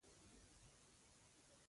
کیف یې وکړ.